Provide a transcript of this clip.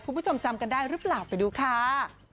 คุณผู้ชมจำกันได้หรือเปล่าไปดูค่ะ